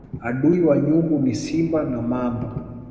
Adui wa nyumbu ni simba na mamba